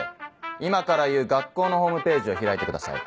今から言う学校のホームページを開いてください。